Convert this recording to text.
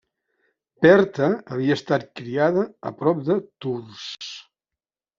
Berta havia estat criada a prop de Tours.